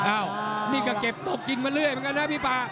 อ้าวนี่ก็เก็บตกกินมาเรื่อยเหมือนกันนะพี่ป่า